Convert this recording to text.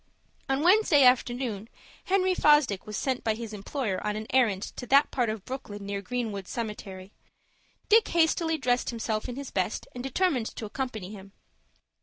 On Wednesday afternoon Henry Fosdick was sent by his employer on an errand to that part of Brooklyn near Greenwood Cemetery. Dick hastily dressed himself in his best, and determined to accompany him.